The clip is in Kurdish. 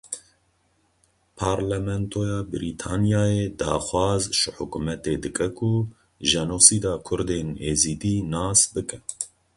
Parlamentoya Brîtanyayê daxwaz ji hikûmetê dike ku jenosîda Kurdên Êzidî nas bike.